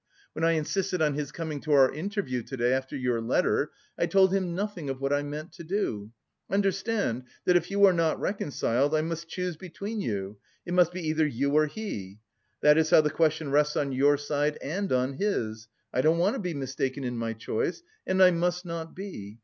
When I insisted on his coming to our interview to day after your letter, I told him nothing of what I meant to do. Understand that, if you are not reconciled, I must choose between you it must be either you or he. That is how the question rests on your side and on his. I don't want to be mistaken in my choice, and I must not be.